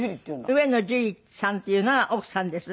上野樹里さんっていうのが奥さんです。